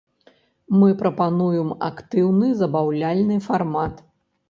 Мы прапануем актыўны забаўляльны фармат.